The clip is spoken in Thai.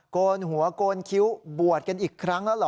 โกนหัวโกนคิ้วบวชกันอีกครั้งแล้วเหรอ